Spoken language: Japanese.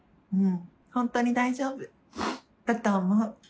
本当に大丈夫だと思う。